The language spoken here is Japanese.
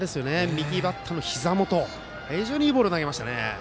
右バッターのひざ元に非常にいいボール投げました。